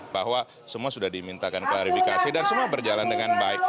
bahwa semua sudah dimintakan klarifikasi dan semua berjalan dengan baik